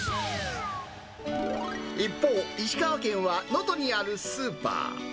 一方、石川県は能登にあるスーパー。